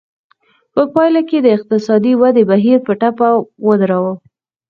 په پایله کې د اقتصادي ودې بهیر په ټپه ودراوه.